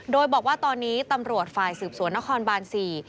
โดยบอกว่าตอนนี้ตำรวจฝ่ายสืบสวนนครบานสี่